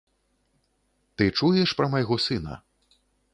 Ты чуеш пра майго сына?